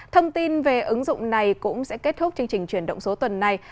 thông tin về ứng dụng này cũng sẽ kết thúc chương trình chuyển động số tuần này